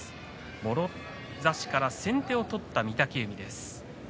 もろ差しから先手を取った御嶽海です。